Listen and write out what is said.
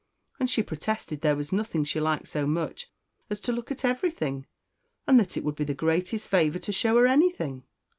and she protested there was nothing she liked so much as to look at everything, and that it would be the greatest favour to show her anything.